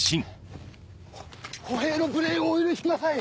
歩兵の無礼をお許しください！